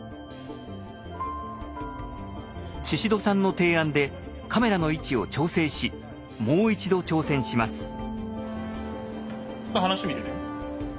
猪戸さんの提案でカメラの位置を調整しもう一度挑戦します。